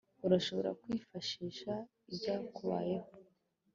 urashobora kwifashisha ibyakubayeho